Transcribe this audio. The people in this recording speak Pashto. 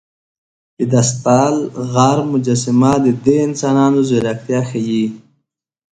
د ستادل غار مجسمه د دې انسانانو ځیرکتیا ښيي.